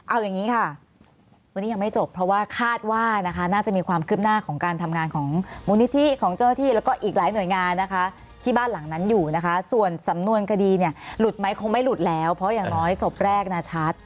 เอาอย่างนี้ค่ะวันนี้ยังไม่จบเพราะว่าคาดว่านะคะน่าจะมีความคืบหน้าของการทำงานของมูลนิธิของเจ้าหน้าที่แล้วก็อีกหลายหน่วยงานนะคะที่บ้านหลังนั้นอยู่นะคะส่วนสำนวนคดีเนี่ยหลุดไหมคงไม่หลุดแล้วเพราะอย่างน้อยศพแรกนะชัด